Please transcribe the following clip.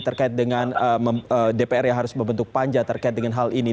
terkait dengan dpr yang harus membentuk panja terkait dengan hal ini